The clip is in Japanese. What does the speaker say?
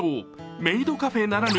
メイドカフェならぬ